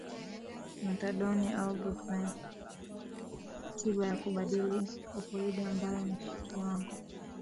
methadoni au buprenofini tiba ya kubadili opioidi ambayo ni kiwango